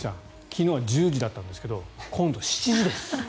昨日は１０時だったんですが今度は７時です。